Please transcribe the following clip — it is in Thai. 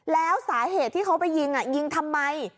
แล้วสาเหตุที่เขาไปยิงยิงทำไม